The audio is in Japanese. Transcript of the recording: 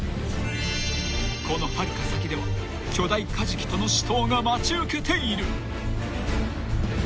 ［このはるか先では巨大カジキとの死闘が待ち受けている］